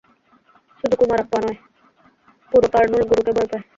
শুধু কুমারাপ্পা নয়, পুরো কারনুল গুরুকে ভয় পায়।